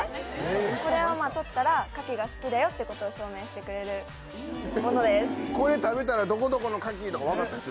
これを取ったらカキが好きだよってことを証明してくれるものです。